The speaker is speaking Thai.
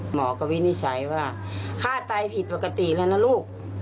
หมอก็วินิจฉัยว่าฆ่าไตผิดปกติแล้วนะลูก